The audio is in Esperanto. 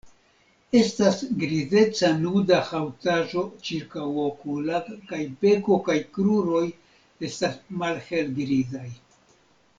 Estas grizeca nuda haŭtaĵo ĉirkaŭokula kaj beko kaj kruroj estas malhelgrizaj.